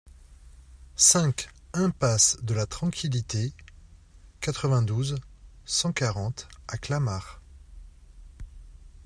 cinq impasse de la Tranquilité, quatre-vingt-douze, cent quarante à Clamart